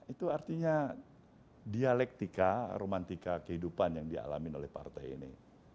itu artinya dialektika romantika kehidupan yang dialami oleh partai ini